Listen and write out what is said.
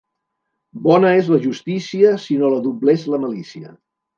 Bona és la justícia si no la doblés la malícia.